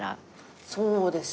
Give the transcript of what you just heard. そうですね。